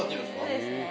そうですね。